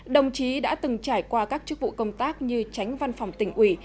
đồng chí đã từng trải qua các chức vụ công tác như tránh văn phòng tỉnh ủy